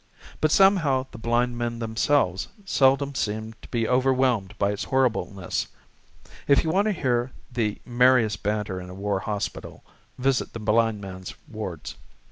But somehow the blind men themselves seldom seem to be overwhelmed by its horribleness. If you want to hear the merriest banter in a war hospital, visit the blind men's wards.